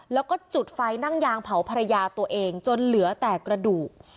แล้วก็จุดไฟนั่งยางเผาภรรยาตัวเองจนเหลือแต่กระดูก